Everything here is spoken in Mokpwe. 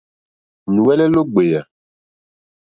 Nù wɛ́lɛ́lɛ́ ó ɡbèyà.